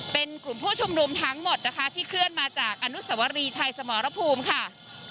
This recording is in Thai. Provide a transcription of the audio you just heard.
เป็นกลุ่มผู้ชุมนุมทั้งหมดนะคะที่เคลื่อนมาจากอนุสวรีชัยสมรภูมิค่ะ